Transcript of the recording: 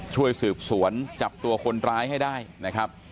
ช่วยสืบสวนจับตัวคนร้ายให้ได้นะครับ